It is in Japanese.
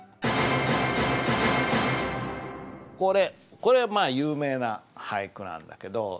これこれはまあ有名な俳句なんだけど。